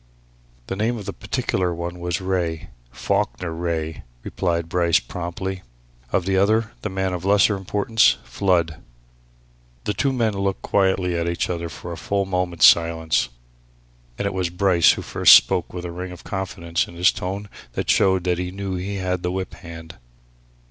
"The name of the particular one was Wraye Falkiner Wraye," replied Bryce promptly. "Of the other the man of lesser importance Flood." The two men looked quietly at each other for a full moment's silence. And it was Bryce who first spoke with a ring of confidence in his tone which showed that he knew he had the whip hand.